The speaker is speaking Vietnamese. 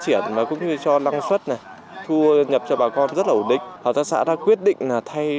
triển và cũng như cho năng suất này thu nhập cho bà con rất là ổn định hợp tác xã đã quyết định là thay